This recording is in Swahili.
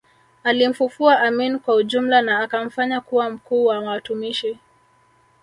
Alimfufua Amin kwa ujumla na akamfanya kuwa mkuu wa watumishi